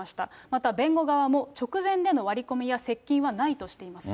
また弁護側も直前での割り込みや接近はないとしています。